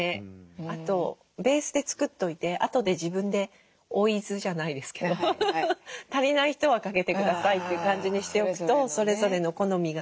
あとベースで作っといてあとで自分で追い酢じゃないですけど足りない人はかけてくださいっていう感じにしておくとそれぞれの好みが。